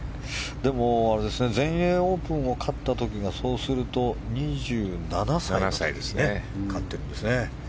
でも全英オープンを勝った時がそうすると２７歳で勝ってるんですね。